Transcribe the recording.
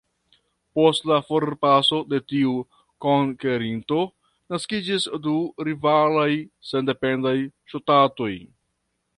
Post la forpaso de tiu konkerinto, naskiĝis du rivalaj sendependaj ŝtatoj.